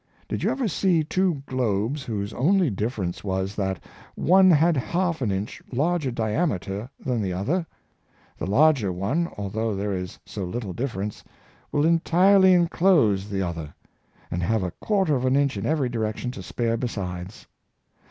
Did you ever see two globes whose only difference was, that one had half an inch larger diameter than the other .^ The larger one, al though there is so little difference, will entirely inclose the other, and have a quarter of an inch in every direc tion to spare besides.